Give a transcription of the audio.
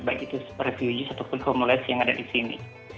baik itu sebagai refugees ataupun homeless yang ada di sini